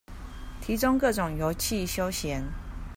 提供各種遊憩休閒